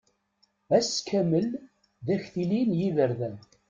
Ass kamel d aktili n yiberdan.